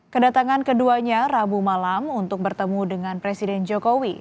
kedatangan keduanya rabu malam untuk bertemu dengan presiden jokowi